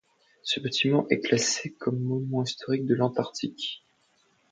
Ce bâtiment est classé comme monument historique de l'Antarctique.